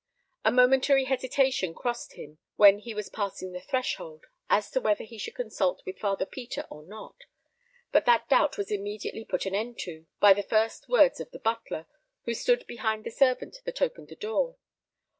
A momentary hesitation crossed him when he was passing the threshold, as to whether he should consult with Father Peter or not; but that doubt was immediately put an end to, by the first words of the butler, who stood behind the servant that opened the door.